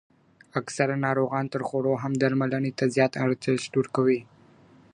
اکثره ناروغان تر خوړو هم درملني ته زيات ارزښت ورکوي.